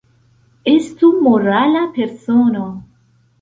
Estu morala persono.